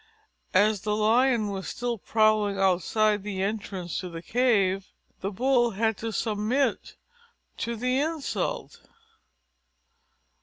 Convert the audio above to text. As the Lion was still prowling outside the entrance to the cave, the Bull had to submit to the insult.